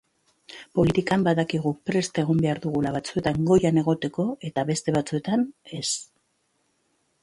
Politikan badakigu prest egon behar dugula batzuetan goian egoteko eta beste batzuetan, ez.